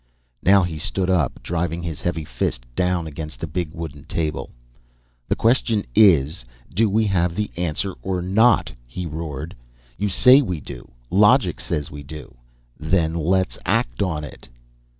Now he stood up, driving his heavy fist down against the big wooden table. "The question is, do we have the answer or not?" he roared. "You say we do. Logic says we do. Then let's act on it!"